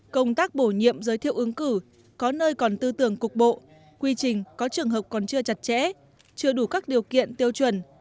công tác bổ nhiệm giới thiệu ứng cử có nơi còn tư tưởng cục bộ quy trình có trường hợp còn chưa chặt chẽ chưa đủ các điều kiện tiêu chuẩn